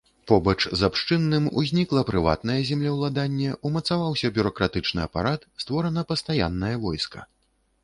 Побач з абшчынным узнікла прыватнае землеўладанне, умацаваўся бюракратычны апарат, створана пастаяннае войска.